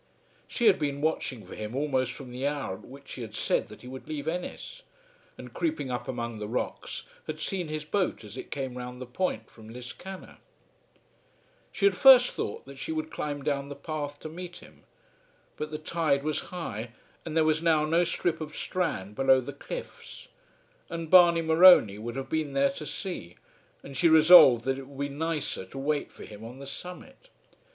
She had been watching for him almost from the hour at which he had said that he would leave Ennis, and, creeping up among the rocks, had seen his boat as it came round the point from Liscannor. She had first thought that she would climb down the path to meet him; but the tide was high and there was now no strip of strand below the cliffs; and Barney Morony would have been there to see; and she resolved that it would be nicer to wait for him on the summit.